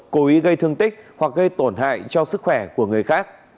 hủy gây thương tích hoặc gây tổn hại cho sức khỏe của người khác